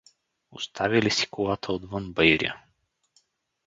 Оставили си колата отвъд баиря.